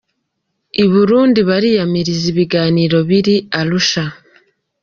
I Burundi bariyamiriza ibiganiro biri Arusha .